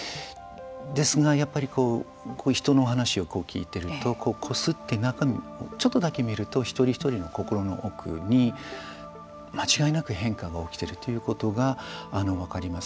ですがやっぱり人の話を聞いてるとこすって中をちょっとだけ見ると一人一人の心の奥に間違いなく変化が起きてるということが分かります。